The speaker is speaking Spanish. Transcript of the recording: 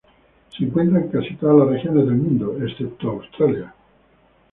Se encuentran en casi todas las regiones del mundo excepto Australia.